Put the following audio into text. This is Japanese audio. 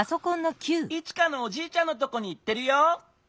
イチカのおじいちゃんのとこにいってるよ。